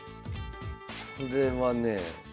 これはねえ。